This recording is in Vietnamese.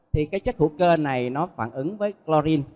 thì cái chất hữu cơ này nó phản ứng với chlorin